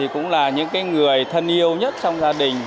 cũng là những người thân yêu nhất trong gia đình